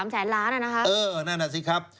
๓แสนล้านนะครับ